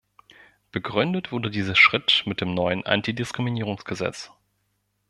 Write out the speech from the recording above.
Begründet wurde dieser Schritt mit dem neuen Antidiskriminierungsgesetz.